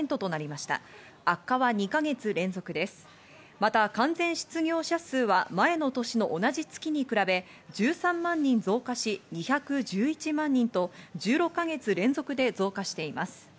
また完全失業者数は前の年の同じ月に比べ１３万人増加し、２１１万人と、１６か月連続で増加しています。